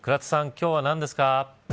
今日は何ですか。